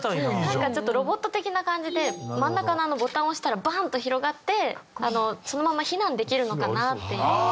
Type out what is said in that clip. なんかちょっとロボット的な感じで真ん中のあのボタンを押したらバンッと広がってそのまま避難できるのかなっていう。